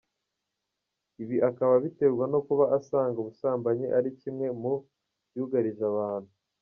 Ibi akaba abiterwa no kuba asanga ubusambanyi ari kimwe mu byugarije abantu.